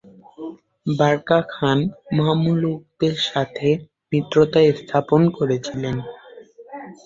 বারকা Khan মামলুকদের সাথে মিত্রতা স্থাপন করেছিলেন।